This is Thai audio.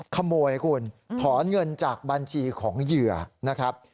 ขโมยคุณถอนเงินจากบัญชีของเหยื่อนะครับ